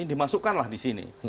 dimasukkanlah di sini